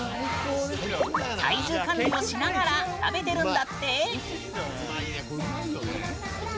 体重管理をしながら食べてるんだって。